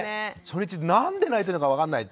初日何で泣いてるのか分かんない。